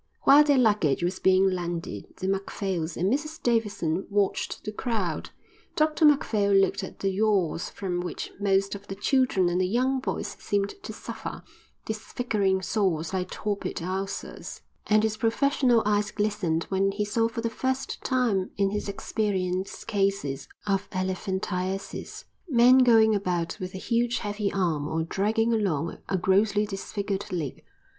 While their luggage was being landed the Macphails and Mrs Davidson watched the crowd. Dr Macphail looked at the yaws from which most of the children and the young boys seemed to suffer, disfiguring sores like torpid ulcers, and his professional eyes glistened when he saw for the first time in his experience cases of elephantiasis, men going about with a huge, heavy arm or dragging along a grossly disfigured leg.